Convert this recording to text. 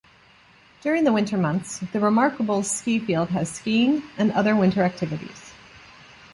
During the winter months The Remarkables skifield has skiing and other winter activities.